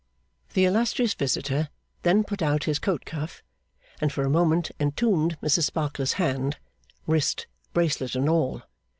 The illustrious visitor then put out his coat cuff, and for a moment entombed Mrs Sparkler's hand: wrist, bracelet, and all.